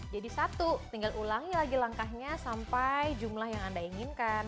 jadi satu tinggal ulangi lagi langkahnya sampai jumlah yang anda inginkan